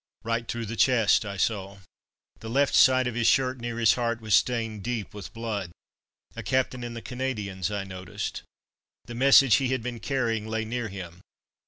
Right through the chest, I saw. The left side of his shirt, near his heart, was stained deep with blood. A captain in the Canadians, I noticed. The message he had been carrying lay near him.